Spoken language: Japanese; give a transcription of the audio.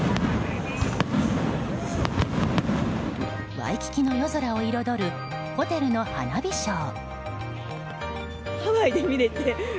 ワイキキの夜空を彩るホテルの花火ショー。